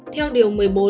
theo điều một mươi bốn